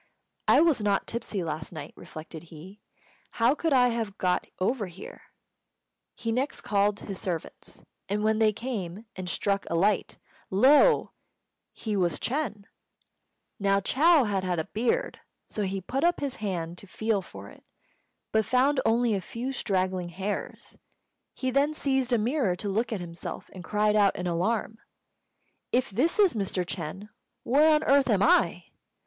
"I was not tipsy last night," reflected he; "how could I have got over here?" He next called his servants, and when they came and struck a light, lo! he was Ch'êng. Now Chou had had a beard, so he put up his hand to feel for it, but found only a few straggling hairs. He then seized a mirror to look at himself, and cried out in alarm: "If this is Mr. Ch'êng, where on earth am I?"